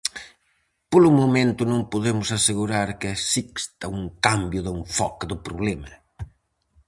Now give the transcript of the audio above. Polo momento non podemos asegurar que exista un cambio de enfoque do problema.